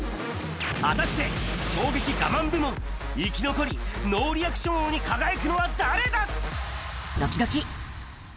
果たして衝撃ガマン部門、生き残り、ノーリアクション王に輝くのは誰だ？